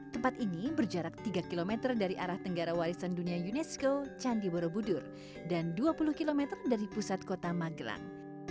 tempat ini berjarak tiga km dari arah tenggara warisan dunia unesco candi borobudur dan dua puluh km dari pusat kota magelang